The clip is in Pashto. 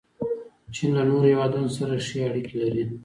چین له نورو هیوادونو سره ښې اړیکې لري.